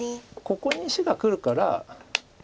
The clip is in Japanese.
ここに石がくるから